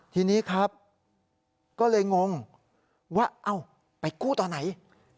ทีนี้ครับก็เลยงงว่าเอ้าไปกู้ตอนไหน